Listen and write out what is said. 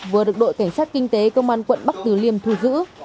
vừa được đội cảnh sát kinh tế công an quận bắc từ liêm thu giữ